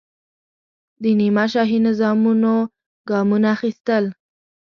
د نیمه شاهي نظامونو ګامونه اخیستل.